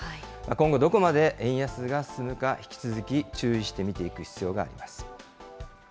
今後、どこまで円安が進むか、引き続き注意して見ていく必要があります。